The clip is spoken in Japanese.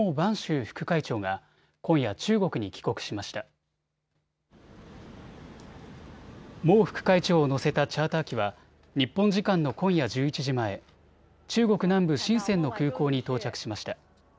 孟副会長を乗せたチャーター機は日本時間の今夜１１時前中国南部、深センの空港に到着しました。